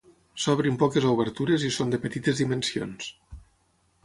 S'obren poques obertures i són de petites dimensions.